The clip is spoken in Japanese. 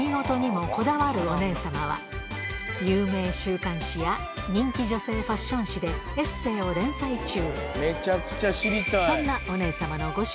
有名週刊誌や人気女性ファッション誌でエッセーを連載中